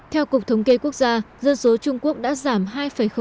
theo cục thống kê quốc gia dân số trung quốc đã giảm hai tám triệu